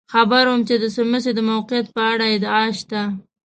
خبر وم چې د څمڅې د موقعیت په اړه ادعا شته.